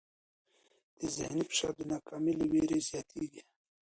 ذهني فشار د ناکامۍ له وېرې زیاتېږي.